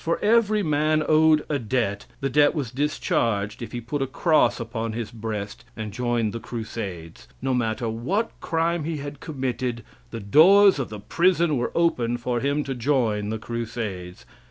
For every man owed a debt, the debt was discharged if he put a cross upon his breast and joined the Crusades. No matter what crime he had committed the doors of the prison were open for him to join the Crusades.